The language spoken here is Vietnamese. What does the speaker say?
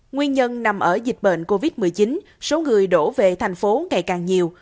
nguyên nhân nằm ở dịch bệnh covid một mươi chín số người đổ về thành phố ngày càng nhiều